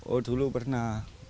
oh dulu pernah